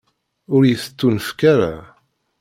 Ur yi-tettunefk ara.